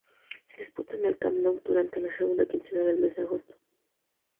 Se disputa en el Camp Nou durante la segunda quincena del mes de agosto.